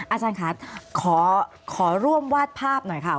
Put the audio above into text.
อาจารย์ค่ะขอร่วมวาดภาพหน่อยค่ะ